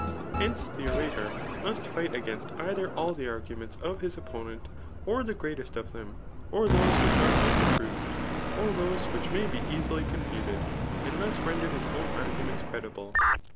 Hente, the orator .io^fi fight against either all the arguments of his opponent^ or the greatest of them, or those; wbich are ipostapproved;;or those which may be easily confuted, and thu3 render his own arguments credible.